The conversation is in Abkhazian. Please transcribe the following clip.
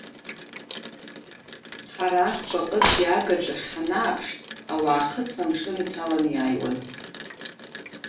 Ҳара аӷба аҟынтәи агаҿахь ҳанааԥш, ауаа хыҵны амшын иҭалан иааиуан.